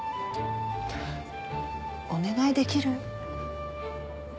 お願いできる？